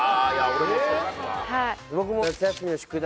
俺もそうっすわ